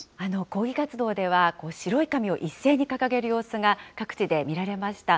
抗議活動では、白い紙を一斉に掲げる様子が各地で見られました。